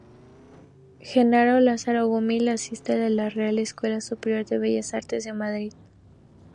Jenaro Lázaro Gumiel asiste a la Real Escuela Superior de Bellas Artes de Madrid.